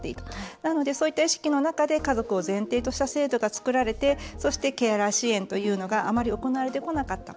なので、そういった意識の中で家族を前提とした制度が作られてそして、ケアラー支援というのがあまり行われてこなかった。